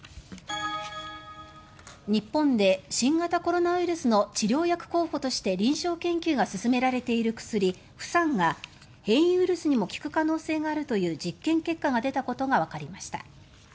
日本で新型コロナウイルスの治療薬候補として臨床研究が進められている薬フサンが変異ウイルスにも効く可能性があるという実験結果が出たことがわかりました。